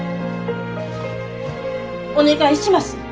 お願いします！